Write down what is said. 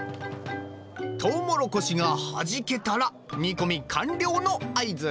とうもろこしがはじけたら煮込み完了の合図。